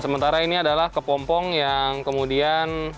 sementara ini adalah kepompong yang kemudian